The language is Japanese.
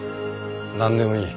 何でもいい。